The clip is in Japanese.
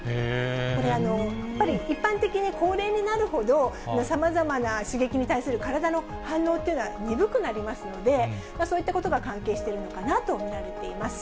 これ、やっぱり一般的に高齢になるほど、さまざまな刺激に対する体の反応というのは鈍くなりますので、そういったことが関係しているのかなと見られています。